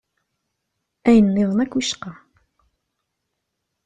Ayen-nniḍen akk wicqa!